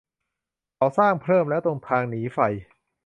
เขาสร้างเพิ่มแล้ว ตรงทางหนีไฟ